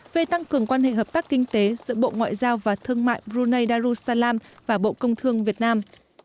về tăng cường quan hệ hợp tác kinh tế giữa bộ ngoại giao và thương mại brunei darussalam và bộ công thương việt nam